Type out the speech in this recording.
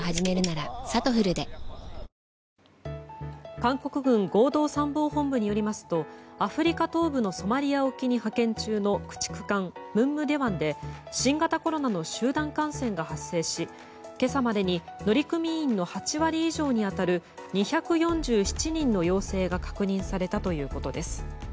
韓国軍合同参謀本部によりますとアフリカ東部のソマリア沖に派遣中の駆逐艦「文武大王」で新型コロナの集団感染が発生し今朝までに乗組員の８割以上に当たる２４７人の陽性が確認されたということです。